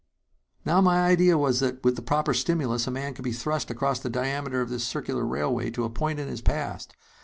"Now, my idea was that with the proper stimulus a man could be thrust across the diameter of this circular railway to a point in his past.